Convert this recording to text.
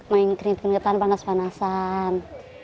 main kerintun ketan panas panasan